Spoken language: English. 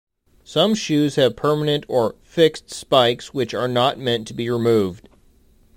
Some shoes have permanent or "fixed" spikes which are not meant to be removed.